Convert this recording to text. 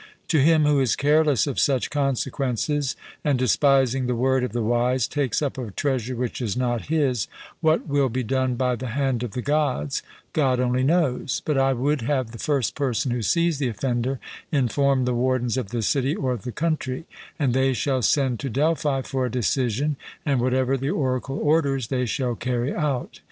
To him who is careless of such consequences, and, despising the word of the wise, takes up a treasure which is not his what will be done by the hand of the Gods, God only knows, but I would have the first person who sees the offender, inform the wardens of the city or the country; and they shall send to Delphi for a decision, and whatever the oracle orders, they shall carry out.